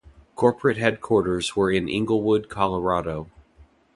Corporate headquarters were in Englewood Colorado.